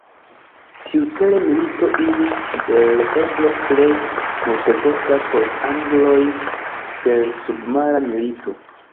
Tiucele milito iĝus kiel eble plej multekosta por angloj per submara milito.